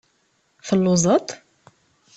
Telluẓeḍ?